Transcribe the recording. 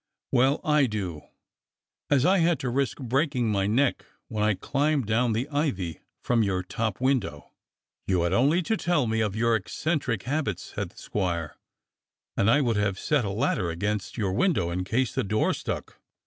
"Well, I do, as I had to risk breaking my neck when I climbed down the ivy from your top window." "You had only to tell me of your eccentric habits," said the squire, "and I would have set a ladder against your window in case the door stuck."